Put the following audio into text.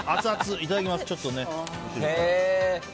いただきます。